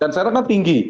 dan sekarang kan tinggi